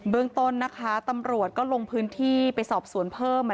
เบื้องต้นน่ะตำรวจก็ลงพื้นที่ไปสอบสวนเพิ่มแล้ว